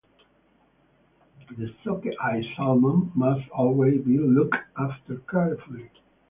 The sockeye-salmon must always be looked after carefully.